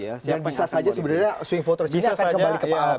dan bisa saja sebenarnya swing votersnya akan kembali ke pak ahok lagi